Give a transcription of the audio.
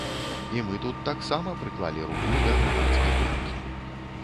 І мы тут таксама прыклалі руку да грамадскай думкі.